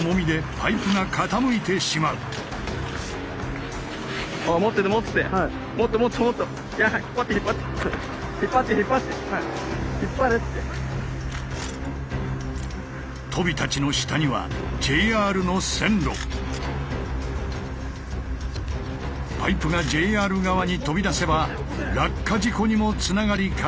パイプがＪＲ側に飛び出せば落下事故にもつながりかねない。